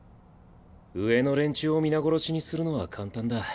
上の連中を皆殺しにするのは簡単だ。